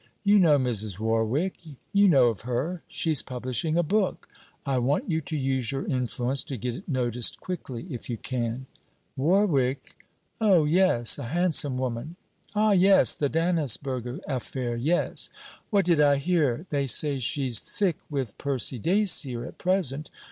You know Mrs. Warwick.... You know of her. She 's publishing a book. I want you to use your influence to get it noticed quickly, if you can.' 'Warwick? Oh, yes, a handsome woman. Ah, yes; the Dannisburgh affair, yes. What did I hear! They say she 's thick with Percy Dacier at present.